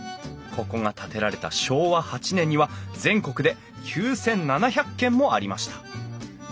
ここが建てられた昭和８年には全国で９，７００軒もありました。